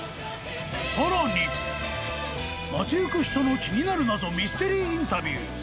更に街行く人の気になる謎ミステリーインタビュー。